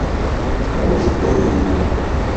Elenco original